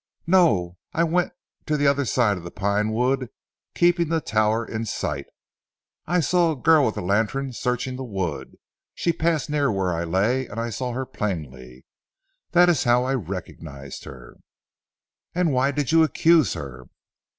"No! I went on to the other side of the Pine wood keeping the tower in sight. I saw a girl with a lantern searching the wood. She passed near where I lay and I saw her plainly. That is how I recognised her." "And why did you accuse her?"